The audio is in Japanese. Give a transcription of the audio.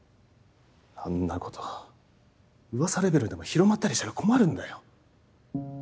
あんなこと噂レベルでも広まったりしたら困るんだよ。